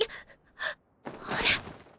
あれ？